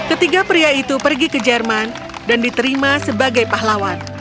ketiga pria itu pergi ke jerman dan diterima sebagai pahlawan